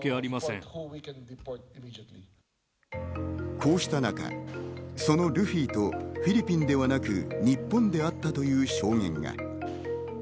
こうした中、そのルフィと、フィリピンではなく日本で会ったという証言が。